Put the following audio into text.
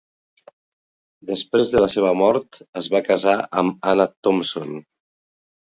Després de la seva mort es va casar amb Anna Thompson.